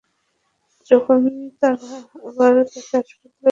তখন তারা আবার তাকে হাসপাতালে ফেরত নিবে।